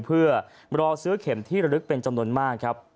เพื่อรอซื้อเข็มที่ระลึกเป็นจำนวนมากครับ